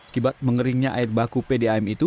kibat mengeringnya air baku pdam itu